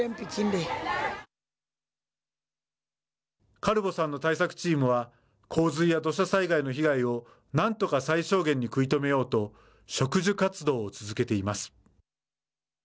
カルボさんの対策チームは洪水や土砂災害の被害を何とか最小限に食い止めようと植樹活動を続けています。